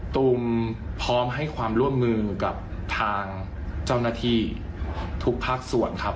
ตูมพร้อมให้ความร่วมมือกับทางเจ้าหน้าที่ทุกภาคส่วนครับ